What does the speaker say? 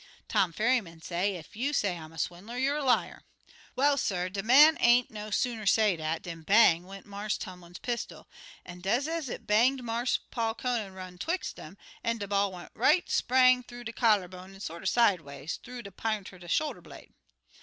Tom Ferryman say, 'Ef you say I'm a swindler, you're a liar.' "Well, suh, de man ain't no sooner say dat dan bang! went Marse Tumlin's pistol, an' des ez it banged Marse Paul Conant run 'twix' um, an' de ball went right spang th'oo de collar bone an' sorter sideways th'oo de pint er de shoulder blade.